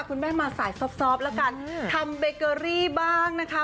คุณแม่มาสายซอบแล้วกันทำเบเกอรี่บ้างนะคะ